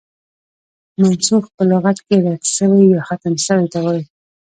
منسوخ په لغت کښي رد سوی، يا ختم سوي ته وايي.